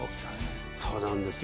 そうなんですよ。